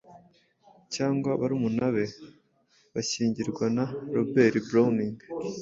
cyangwa barumuna be, bahyingirwanaRobert Browning,